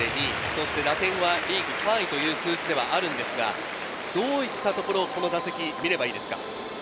そして打点はリーグ３位という数字ではあるんですが、どういったところをこの打席見ればいいですか。